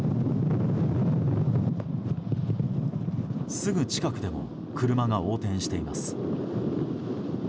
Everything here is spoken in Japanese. すぐ近くでも車が横転しています。